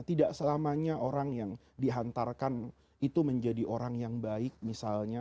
tidak selamanya orang yang dihantarkan itu menjadi orang yang baik misalnya